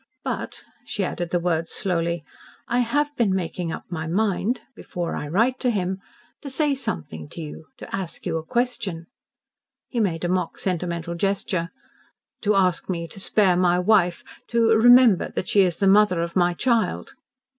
"But," she added the words slowly, "I have been making up my mind before I write to him to say something to you to ask you a question." He made a mock sentimental gesture. "To ask me to spare my wife, to 'remember that she is the mother of my child'?"